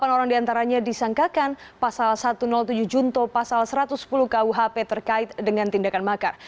delapan orang diantaranya disangkakan pasal satu ratus tujuh junto pasal satu ratus sepuluh kuhp terkait dengan tindakan makar